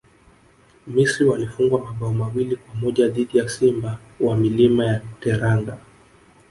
misri walifungwa mabao mawili kwa moja dhidi ya simba wa milima ya teranga